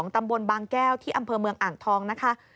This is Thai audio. ตำบลบางแก้วที่อำเภอเมืองอ่างทองนะคะ